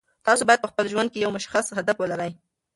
تاسو باید په خپل ژوند کې یو مشخص هدف ولرئ.